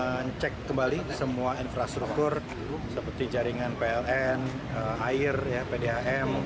kita cek kembali semua infrastruktur seperti jaringan pln air pdam